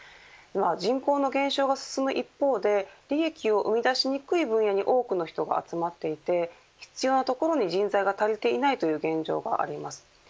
人口の減少が進む一方で利益を生み出しにくい分野に多くの人が集まっていて必要なところに人材が足りていないという現状があります。